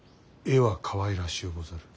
絵はかわいらしゅうござる。